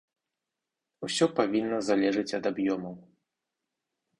Усё павінна залежыць ад аб'ёмаў.